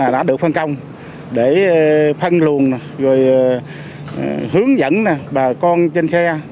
rồi hướng dẫn bà con trên xe